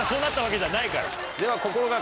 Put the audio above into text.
では。